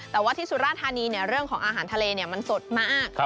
แต่ว่าที่สุราธานีเรื่องของอาหารทะเลมันสดมาก